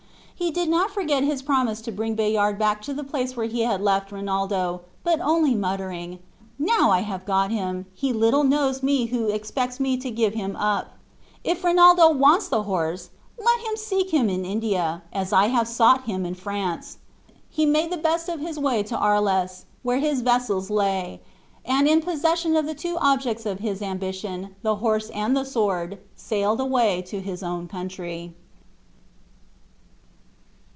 He did not forget his promise to bring Bayard back to the place where he had left Rinaldo, but only muttering, "Now I have got him, he little knows me who expects me to give him up; if Rinaldo wants the horse let him seek him in India, as I have sought him in France," he made the best of his way to Arles, where his vessels lay; and in possession of the two objects of his ambition, the horse and the sword, sailed away to his own country.